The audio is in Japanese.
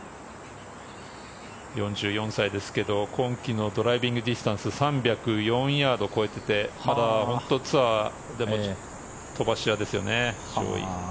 ４４歳ですけど今季のドライビングディスタンスは３０４ヤードを超えていて本当にツアーでも飛ばし屋ですよね。